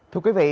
thưa quý vị